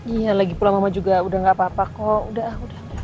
iya lagi pulang mama juga udah gak apa apa kok udah